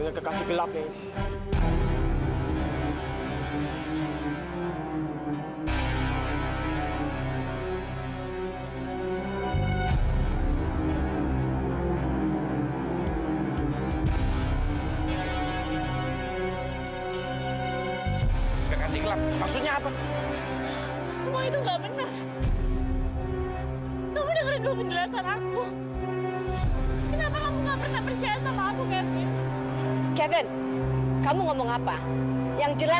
nggak kasih gelap maksudnya apa